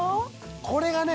これがね